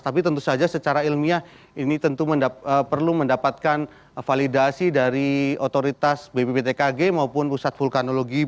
tapi tentu saja secara ilmiah ini tentu perlu mendapatkan validasi dari otoritas bbbtkg maupun pusat vulkanologi